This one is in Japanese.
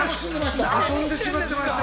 ◆遊んでしまってました。